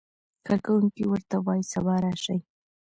کارکوونکی ورته وایي سبا راشئ.